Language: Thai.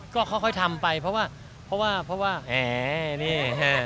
ก็ค่อยทำไปเพราะว่าแห่นี่